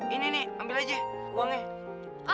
ini nih ambil aja uangnya